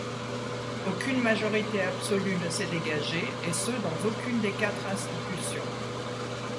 Aucune majorité absolue ne s'est dégagée, et ce dans aucune des quatre institutions.